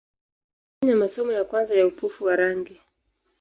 Pia alifanya masomo ya kwanza ya upofu wa rangi.